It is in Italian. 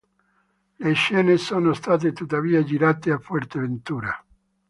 Le scene sono state tuttavia girate a Fuerteventura.